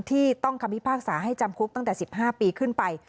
ที่ต้องคำพิพากษาให้จำคุกตั้งแต่๑๕ปีขึ้นไป